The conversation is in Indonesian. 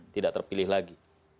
tidak terpilih lagi